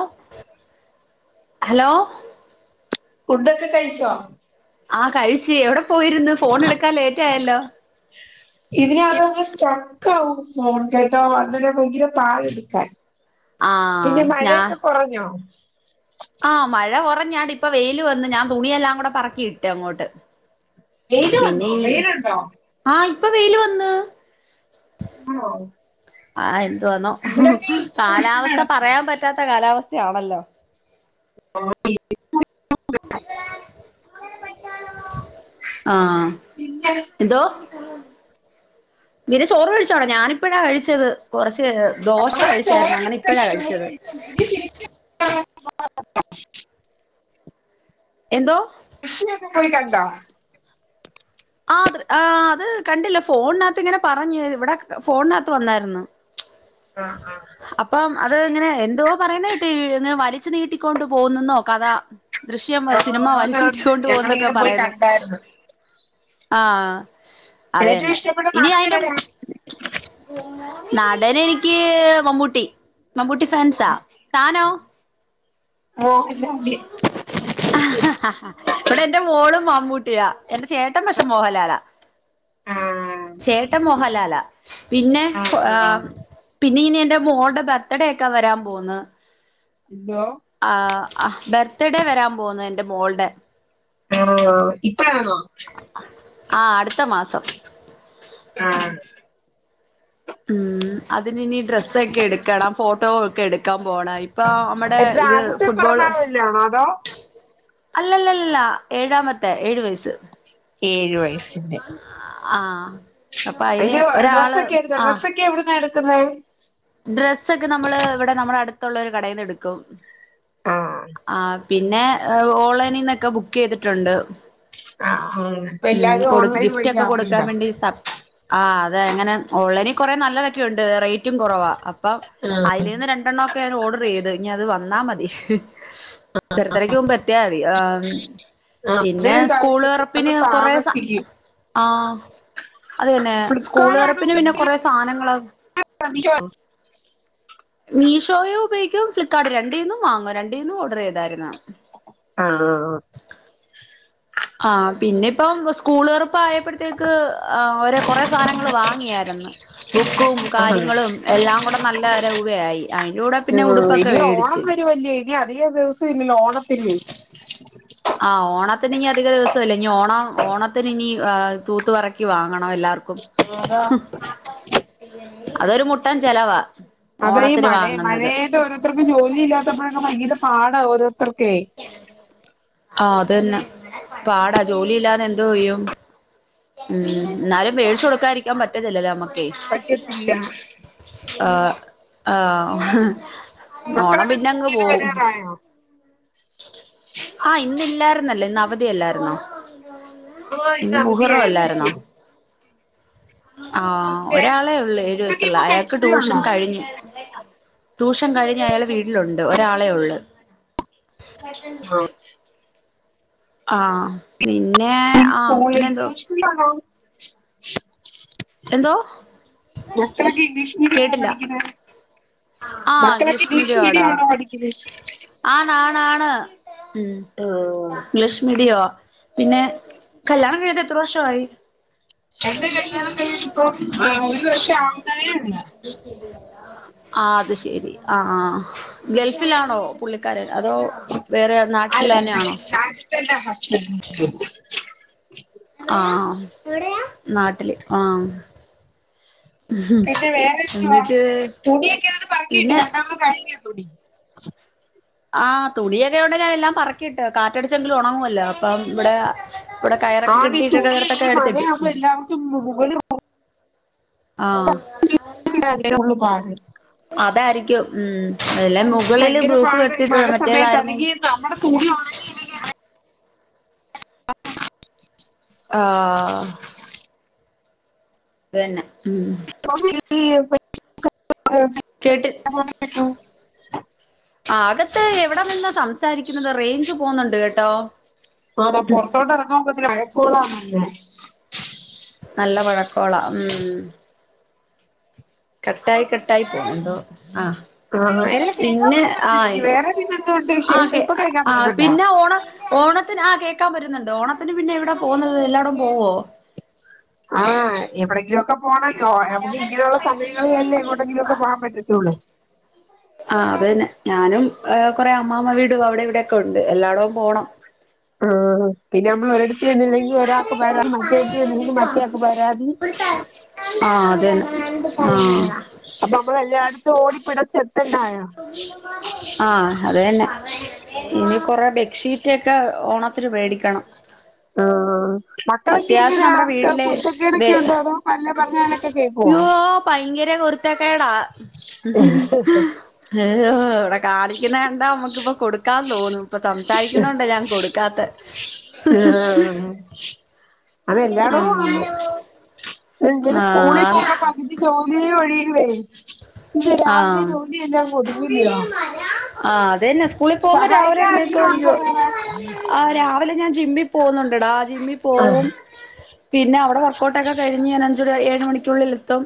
ഓ hello ഫുഡൊക്കെ കഴിച്ചോ ആഹ കഴിിച്ചു എവിടെ പോയിന്ന് ഫോൺ എടുക്കാൻ ലേറ്റ ആയല്ലോ ഇതിന അത സ്റ്റക്ക ആും മോൺ കേട്ടോ വന്നര ഭയങ്കര പാഴ എടുക്കാൻ ആഹ് പിന്നെ ഞാ മഴയൊക്കെ കുറഞ്ഞോ അറ ഞാടി ഇപ്പ വെയില് വന്ന് ഞാൻ തുണിയെല്ലാം കൂടെ പറക്കിയിട്ട് അങ്ങോട്ട് വെയില് വന്നോ മിനീ വെയിലുണ്ടോ ആഹ ഇപ്പൊ വെയില് വന്ന് ആഹ ആഹ എന്ന്ത് വന്നോ മൂടിങ്ങനെ കാലാവസ്ഥ കിടക്കുവാ പറയാൻ പറ്റാത്ത കാലാവസ്ഥ ആണല്ലോ ആഹ ആഹ പിന്നെ എന്തോ പിന്ന ചോറ് കഴിച്ചോടാ ഞാനിപ്പഴാ കഴിച്ചത് കുറ പ ദോശ നമ്മളെ കഴിച്ചായിരുന്നു അങ്ങനെ ചോറൊക്കെ ഇപ്പഴാ കഴിച്ചത് ഭ എന്തോ കൃഷിയൊക്കെ പോയി കണ്ടോ ആ ആ് അത് കണ്ടില്ല ഫോണിനകത്ത് ഇങ്ങനെ പറഞ്ഞു ഇവിടെ ഫോണിനകത്ത് വന്നായിരുന്നു ആ ആ അപ്പം അത് ഇങ്ങനെ എന്തോ പറയുന്നത് ന്ന് വലിച്ചു നീട്ടിക്കൊണ്ട് പോന്നുന്നോ കഥ ദൃശ്യം ആ സിനിമ വലിച്ച ആന്നാന്ന് കിട്ടിക്കൊണ്ട്ു പോോകുന്നൊക്കെ ഞങ്ങളിങ്ങനെ പോയി പറയുന്നു കണ്ടായിരുന്നു ആഹ അത ഏറ്റവും തന്നെ ഇഷ്ടപ്പെട്ട ഇനി നടൻ അയിറെ ആരാ നാടന എനിക്ക് മമ്പൂട്ടി മമ്പൂട്ടി ഫാൻസാ താനോ മോഹൻലാല് ഇവിടെ എന്റെ മോളും ൂട്ടിയാ എന്റെ ചേട്ടൻ പക്ഷെ മോഹൻലാലാ ആ ചേട്ടൻ മോഹൻലാലാ പിന്നെ ആ പിന്നെ ഇനി എന്റെ മോടെ ബർത്ത്ഡേക്കെ വരാൻ പോന്ന് ഇതോ ആ ഹ ബർത്ത്ഡേ വരാൻ പോന്നു എന്റെ മോൾടെ ആണോന്നാ ബർത്ത്ഡേ ആണോ ആഹ് അടുത്ത മാസം ആ ഉം അതിന് ഇനി ഡ്രസ്സക്കെ എടുക്കണം ഫോട്ടോ ഒക്കെ എടുക്കാം പോണം ഇപ്പൊ നമ്മടെ എത്ര ഇത് ആദ്യത്തെ ഫുട്ബോള് പിറന്നാള് വല്ലോണോ അതോ അല്ലല്ലല്ലാ ഏഴാമത്തേ ഏഴു വയസ്സ് ഏഴു വയസ്സിന്റെ ആ അയിന് ഡ്രസ്സക്കെ എടുത്തോ ഡ്രസ്സക്കെ എവിടുന്നാ എടുക്കുന്നേ ഡ്രസ്സക്കെ നമ്മള് ഇവിടെ നമ്മുടെ അടുത്തുള്ളൊരു കടേന്ന് എടുക്കും ആഹ് ആ പിന്നെ ഓളൈനിന്നൊക്കെ ബുക്ക് ചെയ്തിട്ടുണ്ട് ആഹ് ആഹ് ഇപ്പൊ ഉം എല്ലാരും കൊടു ഓൺലൈൻ ഗിഫ്റ്റ് വഴി ഒക്കെ കൊടുക്കാൻ ആണല്ലോ വേണ്ടി സബ് ആ അതെ എങ്ങനെ ഓളൈനി കൊറേ നല്ലതൊക്കെ ഒണ്ട് റേറ്റും കുറവാ അപ്പം ആഹ് അയിലീന്ന് രണ്ടെണ്ണോക്കെ ഞാൻ ഓഡറ് ചെയ്ത് ഇനി അത് വന്നാ മതി തെരത്തരക്ക് മുമ്പ് എത്തിയാ മതി ആമ് ആഹ് അതേ പിന്നെ ഒരു സ്കൂള് കാര്യം തൊറപ്പിന് ചിലപ്പോ കൊറേ സാ താമസിക്കും ആ അത് പിന്നെ സ്കൂള് തൊറപ്പിന് പിന്നെ കൊറേ സാനങ്ങള് പക്ഷേ മീഷോയും ഉപയോഗിക്കും ഫ്ലിപ്കാർട്ടും രണ്ടീന്നും വാങ്ങും രണ്ടീന്നും ഓഡറ് ചെയ്താരുന്ന് ആ ആ ആ ആ പിന്നെ ഇപ്പം സ്കൂള് തൊറ ഇപ്പ ആയപ്പഴത്തേക്ക് ആ കൊറേ സാധനങ്ങള് വാങ്ങിയാരുന്നു ബുക്കും ആഹ് കാര്യങ്ങളും എ എല്ലാം കൂടെ നല്ല രൂവയായി അയിന്റെ കൂടെ പിന്നെ ഉടുപ്പൊക്കെ ഇനി വേടിച്ച് ഓണത്തില്ലേ ആ ഓണത്തിന് ഇനി അധിക ദിവസ ഇല്ല ഇനി ഓണം ഓണത്തിന് ഇനി തൂത്തു പെറക്കി വാങ്ങണം എല്ലാർക്കും ഉം അതാ അതൊരു മുട്ടൻ ചെലവാ അതേ ഈ ഓണത്തിന് മഴ വാങ്ങുന്നത് മഴേന്റെ ഓരോരുത്തർക്കും ജോലി ഇല്ലാത്തപ്പോഴൊക്കെ ഭയങ്കര പാടാ ഓരോ തുറക്കെ ആ അതന്നെ പാടാ ജോലിയില്ലാതെ എന്തോ ചെയ്യും ഉം എന്നാലും വേടിച്ചു കൊടുക്കാതിരിക്കാൻ പറ്റത്തില്ലല്ലോ നമ്മക്ക് പറ്റത്തില്ല ആ ആ ഹ് ഓണം മക്കളൊക്കെ പിന്നങ്ങ് സ്കൂളീന്ന് പോവും വരാറായോ ആ ഇന്ന് ഇല്ലാരുന്നല്ലോ ഇന്ന് അവധിയല്ലാരുന്നോ ആഹ് ഇന്ന് മുഹറം അവധിയായിരുന്നു അല്ലാരുന്നോ ശരി ആ പിന്നെ ഒരാളെ ഉള്ള് ഏഴു ഫുഡൊക്കെ വയസുള്ള ഇപ്പൊ അയാക്ക് കഴിച്ചതേ ട്യൂഷൻ ഉള്ളോ കഴിഞ്ഞ് ട്യൂഷൻ കഴിഞ്ഞ് അയാള് വീട്ടിലുണ്ട് ഒരാളെ ഒള്ള് ആ പിന്നെ ഈ ആ സ്കൂളിൽ പിന്നെന്തുവ ഇംഗ്ലീഷ് മീഡിയം ആണോ എന്തോ മക്കളൊക്കെ ഇംഗ്ലീഷ് മീഡിയം ആണോ കേട്ടില്ല പഠിക്കുന്നത് ആ മക്കളൊക്കെ ഇംഗ്ലീഷ് മീഡിയം ആടാ ആണോ പഠിക്കുന്നത് ആന്ന് ആന്ന് ആണ് ആണ് ഉം ആഹ് ഇംഗ്ലീഷ് മീഡിയവാ പിന്നെ കല്യാണം കഴിഞ്ഞിട്ട് എത്ര വർഷവായി എന്റെ കല്യാണം കഴിഞ്ഞിട്ട് ഇപ്പം ഒരു വർഷം ആവുന്നതേയുളളൂ ആ അത് ശരി ആ ആ ഗൾഫിലാണോ പുള്ളിക്കാരൻ അതോ വേറെ നാട്ടിൽ അല്ല തന്നെയാണോ [inaudible] എവിടെയാ ആ എവിടെയാ നാട്ടില് ആ പിന്നെ വേറെന്തുവാ എന്നിട്ട് തുണിയൊക്കെ അങ്ങനെ പെറക്കിയിട്ട് പിന്നെ രണ്ടാമത് കഴിഞ്ഞു തുടി [unintelligible] ആഹ് തുണിയൊക്കെോണ്ട് ഞാാന എല്ലാം പറക്കിട്ട് കാറ്റടിച്ചെങ്കിലും ഉണങ്ങുമല്ലോ അപ്പം ഇവിടെ ഇവിടെ കയറൊക്കെ ആഹ് ഈ കിട്ടിട്ട് തുണി കയറത്തൊക്കെ ഈ എടുത്തിട്ട് മഴയാകുമ്പോ എല്ലാവർക്കും മുകളിൽ ആഹ ു പാട് [unintelligible] ക് ഉ ഭയങ്കര പാഴ ഈ മഴ സമയത്ത് മറ്റേതായിരുന്നെങ്കിൽ അല്ലെങ്കിൽ നമ്മുടെ തൂടി ആ [unintelligible] ആ വന്നെ ഉ [unintelligible] [unintelligible] ആകത്ത് എവിടെ നിന്ന്ാ സംസാരിക്കുന്നത് റേഞ്ച് പോകുന്നുണ്ട് കേട്ടോ ആതാ പുറത്തോട്ട് ഇറങ്ങ നോക്കഴക്കോാന്നല്ലേ നല്ല വഴക്കോള ഉം കട്ടായി കട്ടായി തന്നന്തോ ആഹ ആ എല്ലാം കേൾക്കാൻ പിന്നെ പറ്റുന്നുണ്ട് ആയി എനിക്ക് വേറെ പിന്നെ എന്തുകൊണ്ട് വിശേഷം ആക്കെ ഇപ്പൊ കേൾക്കാൻ ആ പറ്റുന്നുണ്ടോ പിന്നെ ഓണ ഓ ഓണത്തിന് ആ കേക്കാൻ വരുന്നുണ്ട് ഓണത്തിന് പിന്നെ എവിടെ പോകുന്നത് എല്ലാടും പോവോ ആഹ് എവിടങ്കിലുംൊക്കെ പോണോ നമുക്ക് ഇങ്ങനെയുള്ള സമയങ്ങളിൽല്ലേ ഇങ്ങോട്ടെങ്കിലൊക്കെ പോകൻ പറ്റത്തുള്ളൂ ആ അത് തന്നെ ഞാനും കൊറെേ അമ്മ്മ വീടും അവിടെ ഇവിടെൊക്കെ ഉണ്ട് എല്ലായിടവും പോണം ആഹ പിന്നെ നമ്മ എടുത്ത്ന്നില്ലെങ്കിൽ ഒരാൾക്ക്രാ മറ്റേത്ത്ന്നില്ലെങ്കിൽ മറ്റേയാക്ക് പരാതി ആഹ അതേന ആഹ അപ്പൊ നമ്മളെല്ലായിടത്തും ഓടിപ്പിടച്ച് ആഹ അത തന്നെ ഇനി കൊറെ ബെഡ്ഷീറ്റ്ൊക്കെ ഓണത്തിന് മേടിക്കണം ആഹ മക്കളൊക്കെ അത്യാവശ്യം ഇങ്ങനെ നമ്മുടെ ആൾക്ക് വീട്ടില് ബെ കുത്തക്കേടൊക്കെ ഉണ്ടോ അതോ പല്ല പറഞ്ഞാനൊക്കെ കേൾക്കുമോ കുരുത്തകേട ഏ് ഇവിടെ കാണിക്കുന്ന എണ്ടാ നമ്മുക്കിപ്പൊ കൊടുക്കാന്ന് തോന്നും ഇപ്പൊ സംസാരിക്കുന്നുണ്ട ഞാൻ കൊടുക്കാത്ത ആ ആ അതെല്ലാടും ആന്ന് ആഹ് ഇര് സ്കൂളിൽ ആഹ് പോകുമ്പോ പകുതി ജോലി ഒഴിയും പിന്നെ രാവന്റെ ആഹ് ജോലിന്ന ഒതുങ്ങലയോ ആഹ് അതന്നെ സ്കൂളിൽ പോകുമ്പോ രാവിലെ എുന്നേ വേറെ രാവിലെ ഞാൻ ജിമ്മിൽ പോുന്നുണ്ട്ടാ ജിമ്മിൽ ആഹ് പോകവും പിന്നെ അവിടെ വർക്കഔട്ട് ഒക്കെ കഴിഞ്ഞ് അഞ്ച് ഏഴ് മണിക്കുള്ളിൽ എത്തും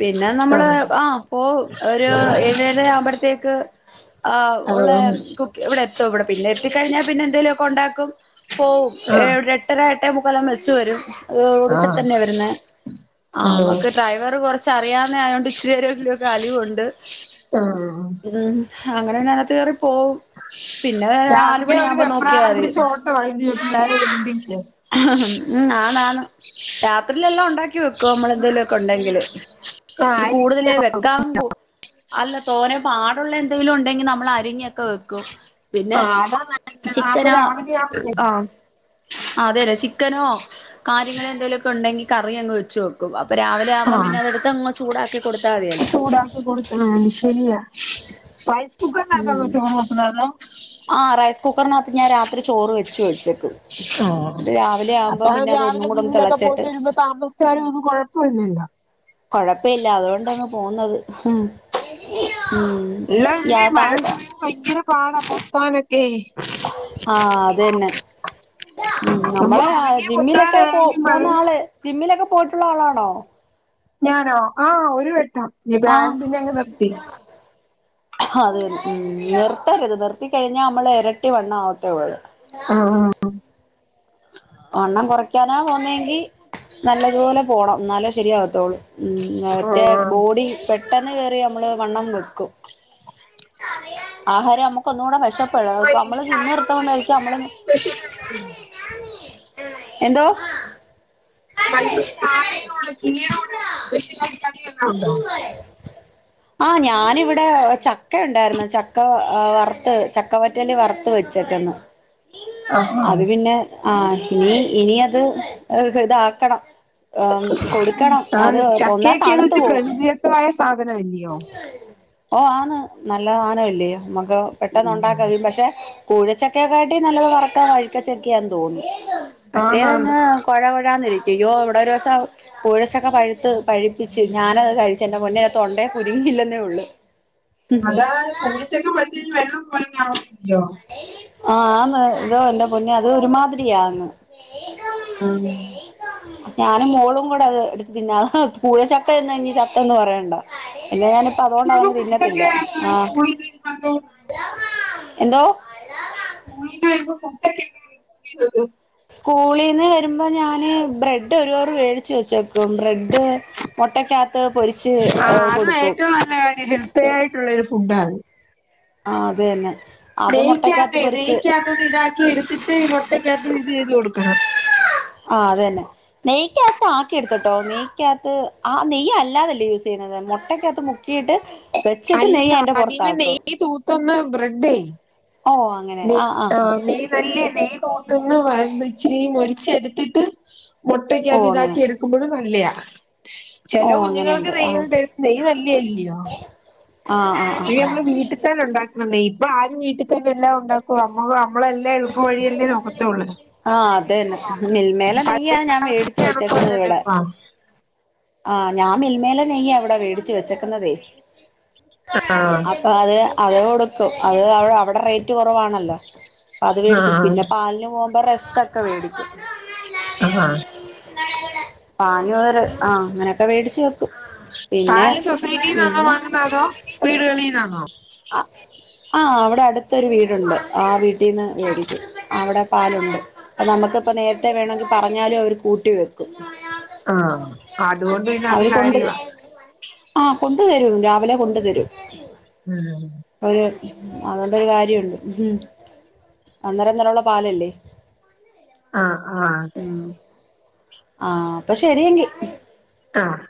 പിന്നെ നമ്മള് ആഹ് ആ ഇ ഒരു ഏഴര ആവുമ്പോഴത്തേക്ക് ആ ഉള്ള ആഹ് കു ഇവിടെ എത്തോ ഇവിടെ പിന്നെ എത്തിക്കഴിഞ്ഞാൽ പിന്നെ എന്തേലുമ ഒക്കെ ഉണ്ടാക്കും പോവും എ ആഹ് എട്ടര എട്ടേ മുക്കെല്ലാം ബസ്സ് വരും അത് റോഡസരത്ത് ആഹ് തന്നെ വരുന്ന ആ ആഹ് നമുക്ക് ഡ്രൈവർ കുറച്ച്റിയാവുന്ന ആയോണ്ട് ഇച്ചു വരുമെങ്കിലോ കാലയുണ്ട് ആഹ് ഉ അങ്ങനെനത്ത് കേയറി പോകവും രാവിലെ അവര് വെപ്രാളം മതി പിടച്ച് ഓട്ട വൈ പിള്ളേരെ വിണ്ടേ ഉം ആന്നാന്ന് രാത്രിയിലെല്ലാം ഉണ്ടാക്കി വെക്കുവ നമ്മള എന്തേലുമ ഒക്കെ ഉണ്ടെങ്കില് ആ ഇച്ചിരി ആരി കൂടുതല് വെക്കാൻ അല്ല തോനെ പാടുള്ള എന്തെങ്കിലും ഉണ്ടെങ്കിൽ നമ്മൾ അരിങ്ങൊക്കെ വെക്കും പിന്നെ ആഹ് അതാ നല്ലത് ചിക്കന ആവുമ്പോ രാവിലെ ആവുമ്പഴേ ആഹ അതെ അല്ലെ ചിക്കനോ കാര്യങ്ങളോ എന്തെങ്കലുമൊക്കെ ഉണ്ടെങ്കി കറി അങ്ങ് വെച്ച വെക്കും അവെ ആുമ്പ ആഹ് പിന്നെ അടുത്ത് ചൂടാക്കി കൊടുത്ത ചൂടാക്കി കൊടുക്കണ ശരിയാ റൈസ് കുക്കറിക്കോട്ടപ്പതോ ആ റൈസ് കുക്കറിനകത്ത് ഞാൻ രാത്രി ചോറ് വെച്ചു വേച്ചേക്കും ആ അപ്പൊ ഒന്നും രാവിലെ കൂടെ ഒന്ന് ജിമ്മിയിലൊക്കെ തിളച്ചിട്ട് പോയിട്ട് വരുമ്പോ താമസിച്ചാലും ഒന്നും കൊഴപ്പം ഇല്ലല്ലോ കൊഴപ്പം ഇല്ല അതുകൊണ്ടാണ് പോകുന്നത് എല്ലാന്ന് മഴ പം ഭയങ്കര പാടാ പത്താനൊക്കെ ആഹ അത് തന്നെ ഉ നമ്മള് നമ്മളെ ഉണങ്ങിയ ജിമ്മിലൊക്കെ പോ പൊത്താനാണെങ്കിൽ മഴ പോുന്ന ആള് ജിമ്മിലൊക്കെ പോയിട്ടുള്ള ആളാണോ ഞാനോ ആഹ ഒരു വെട്ടം നീ പ്ലാനും പിന്നെ അങ്ങ് നിർത്തി അത ഉ നിർത്തരുത് നിർത്തി കഴിഞ്ഞാൽ നമ്മള് ഇരട്ടി വണ്ണ ആവത്തെ ഓള് ആഹ ആഹ് കന പോന്നെങ്കിൽ നല്ലതുപോലെ പോണം നല്ല ശരിയാകത്തോുള്ളൂ ഉറ്റേ ആഹ് ബോഡി പെട്ടെന്ന് കേയറി നമ്മള് വണ്ണം വെക്കും ആഹാരം നമ്മുക്ക ഒന്ന കൂടെ വിശ വൈകിട്ട് നമ്മള് ചന്ന് ചായയോട് നിർത്ത കൊണ്ടായിരിക്കും പ്രത്യേകിച്ച് നമ്മള കടി സ്പെഷ്യൽ വല്ലോം ഉണ്ടോ എന്തോ പ ചായനോട് പനോട ആ ഞാന ഇവിടെ ഇടെ ചക്ക ഉണ്ടായിരുന്നു ചക്ക വറുത്ത് ചക്കവറ്റലി വറുത്ത് വെച്ചിട്ടന്ന് ആഹ് അത് പിന്നെ ആ ഇനി ഇന അത് ഇത ആക്കണം ഹ് കൊടുക്കണം അത് ഒന്നാ തണുത്തു ച്ച് പോകും പ്രകൃതിദത്തമായ സാധനമല്ലയോ ഓ ആന്ന് നല്ലതനോ ഇല്ലേോ നമുക്ക് പെട്ടന്ന് ഉം ഉണ്ടാക്ക പക്ഷെ കുഴച്ചക്കയൊക്കെ ആട്ട് നല്ലത് വറക്കാൻ വഴക്കച്ചക്കന്ന് തോന്നുന്നു ആന്നാന്ന് മറ്റേതങ് കുഴ കുഴാന്ന അയ്യോ ഇവിടെ ഒരു ദിവസം കുഴചക്ക പഴുത്ത് പഴിപ്പിച്ച് ഞാനത് കഴിച്ച് എൻ്റെ പെന്ഉണ്ടേ മുരുങ്ങ ഇല തന്നെ ഉള്ളൂ അതാ കൂടിച്ചൊക്കെ പറ്റഞ് വെള്ളം കുറങ്ങയോ ആഹന്ന് ഇതോ എൻന്റെ പുന്നേ അത് ഒരുമാതിരിയാന്ന് ആഹ ഞാനും മോളും കൂടെ അത് എടുത്ത തിന്ന അ പൂഴച്ചക്ക ഇന്ന് ഇനി ചക്കന്ന് പറയണ്ടോ പിന്നെ ഞാനിപ്പ അതുകൊണ്ട് കുട്ടികൾക്ക് അതങ്ങ് തിന്നത്തില്ല ഫുഡൊക്കെ ആഹ സ്കൂളിൽ പൂണ എോ ഫോട്ടാ കേലത്ത സ്കൂളിൽ നിന്ന് വരുമ്പോൾ ഞാൻ ബ്രെഡ് ഒരു കവർ മേടിച്ച് വെച്ചേക്ക ബ്രെഡ് മുട്ടക്കകത്ത് പൊരിച്ച് ആഹ് അത് കൊടുക്കും ഉണ്ടാക ആ അത തന്നെ അത് നെയക്കി മുട്ടക്കകത്ത് ആക്ക പൊരിച്ച് ദെയയ്ക്കി ആകത് ത് ഇത് ചെയ്ത് കൊടുക്കണം ആ അതന്നെ നെയ്ക്കകത്ത് ആക്കി എടുത്തട്ടോ നെയ്ക്കകത്ത് ആ നെയ്യ അല്ലാതല്ലേ യൂസ് ചെയ്യുന്നത് മുട്ടക്കകത്ത് മുക്കിയിട്ട് വെച്ചിട്ട് അല്ല നെയ്യ് അതിന്റെ ആദ്യമ പുറത്താക്കും നെയ് തൂത്തൊന്ന് ബ്രെഡയി നെയ ആ നെയ് നല്ല നെയ് തോത്തന്ന് വച്ചിരി മൊരിച്ചെടുത്തിട്ട് മുട്ടക്ക ഓ അത് അങ്ങനെ ഇതാക്കി എടുക്കുമ്പോഴും നല്ലതാ ചില ഓ കുഞ്ഞുങ്ങൾക്ക് അങ്ങനെയുണ്ട് ആ നെയ്യുണ്ട് നെയ്യ് നല്ലല്ലയോ ആ ആ അ ആ ആ നമ്മള് വീട്ടിൽ തന്നെ ഉണ്ടാക്കുന്നന്നേ ഇപ്പൊ ആരും വീട്ടിൽ തന്നെ എല്ലാം ണ്ടാക്ക നമ്മ നമ്മളെല്ലാം എഴുപ്പ് വഴിയല്ലേ നോക്കത്തള്ളൂ അത തന്നെ മിൽമേലേ നെയ്യാണ് ഞാൻ മേടിച്ചു വെച്ചേക്കുന്നത് എളുപ്പമല്ലല്ലോ ഇവിടെ ഇപ്പ ആ ഞാ മിൽമേലേ നെയങ്ങ അവിടെ മേടിച്ചച്ച് വെച്ചക്കുന്നതെ ആഹ് അപ്പൊ അത് അത് കൊടുക്കും അത് അവിടെ റേറ്റ് കുറവാണല്ലോ അത് മേടിച്ചു ആഹ് പിന്നെ പാലിന് പോകുമ്പോ റെസ്ക് ഒക്കെ മേടിക്കും അഹ് ആഹാ. പാഞ്ഞൂറ് ആ അങ്ങനെയൊക്കെ വേടിച്ചു വെക്കും. പിന്നെ പാല് സൊസൈറ്റിന്നാണോ പിന്നെ വാങ്ങുന്ന അതോ വീടുകളീന്നാണോ. ആ ആഹാ അവിടെ അടുത്തൊരു വീടുണ്ട് ആ വീട്ടിന്ന് മേടിക്കും അവിടെ. പാലുണ്ട് അ നമുക്കിപ്പ നേരത്തെ വേണങ്കിൽ പറഞ്ഞാലും അവര് കൂട്ടി വെക്കും. ആഹാ അതുകൊണ്ട് പിന്ന അത് കാര്യവാ ആഹാ കൊണ്ട് വരും രാവിലെ കൊണ്ടു തരും. ഉം. ഒരു അതുകൊണ്ടൊരു കാര്യമുണ്ട് മ്മ്ഹ് അന്നേരം അന്നരം ഉള്ള പാലല്ലേ. ആ ആഹാ. ആഹാ അപ്പൊ ശരിയെങ്കി. ആഹ്